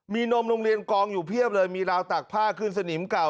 มีนมโรงเรียนกองอยู่เพียบเลยมีราวตากผ้าขึ้นสนิมเก่า